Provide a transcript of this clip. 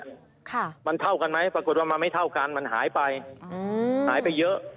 ค่ะมันเท่ากันไหมปรากฏว่ามันไม่เท่ากันมันหายไปอืมหายไปเยอะ